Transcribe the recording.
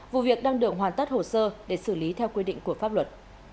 vụ việc đang được hoàn tất hồ sơ để xử lý theo quy định của pháp luật